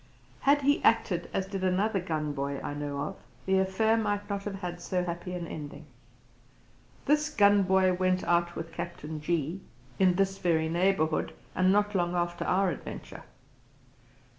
Had he acted as did another gun boy I know of, the affair might not have had so happy an ending. This gun boy went out with Captain G in this very neighbourhood, and not long after our adventure.